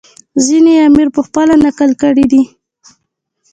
ځینې یې امیر پخپله نقل کړي دي.